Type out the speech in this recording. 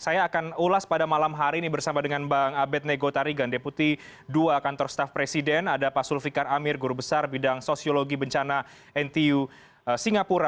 saya akan ulas pada malam hari ini bersama dengan bang abed nego tarigan deputi dua kantor staff presiden ada pak sulfikar amir guru besar bidang sosiologi bencana ntu singapura